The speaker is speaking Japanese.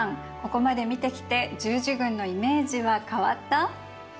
ここまで見てきて十字軍のイメージは変わった？